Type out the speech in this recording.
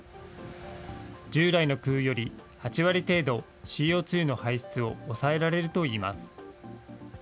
従来の空輸より８割程度、ＣＯ２の排出を抑えられるといいます。